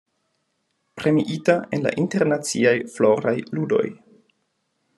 Premiita en la Internaciaj Floraj Ludoj.